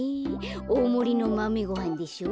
おおもりのマメごはんでしょ。